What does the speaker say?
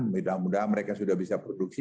mudah mudahan mereka sudah bisa produksi